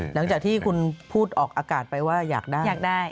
หลังจากที่คุณพูดออกอากาศไปว่าอยากได้อยากได้